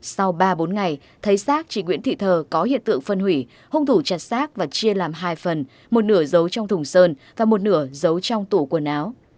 sau ba bốn ngày thấy xác chị nguyễn thị thờ có hiện tượng phân hủy hung thủ chặt xác và chia làm hai phần một nửa dấu trong thùng sơn và một nửa giấu trong tủ quần áo